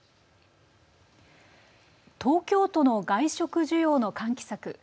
東京都の外食需要の喚起策